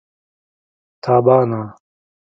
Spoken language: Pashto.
تابانه